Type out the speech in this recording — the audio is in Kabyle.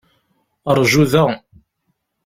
Ṛju da.